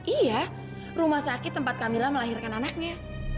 iya rumah sakit tempat kamila melahirkan anaknya